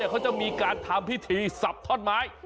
เขาจะมีการทำพิธีสับท่อนไม้